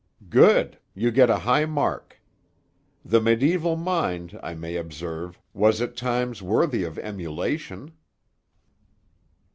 "Good! You get a high mark. The medieval mind, I may observe, was at times worthy of emulation."